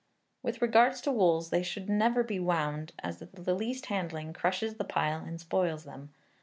With regard to wools, they should never be wound, as the least handling crushes the pile and spoils them.